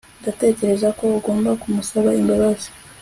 Ndatekereza ko ugomba kumusaba imbabazi